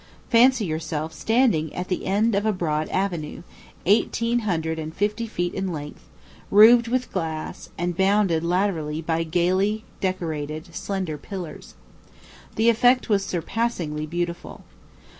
Fancy yourself standing at the end of a broad avenue, eighteen hundred and fifty feet in length, roofed with glass, and bounded laterally by gayly decorated, slender pillars. The effect was surpassingly beautiful.